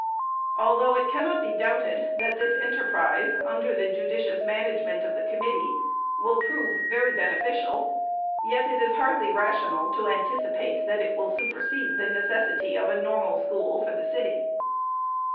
Although it cannot be doubted, that this en terprise, under the judicious management of the commit tee, will prove very beneficial, yet it is hardly rational to anticipate, that it will supersede the necessity of a Normal School for the city.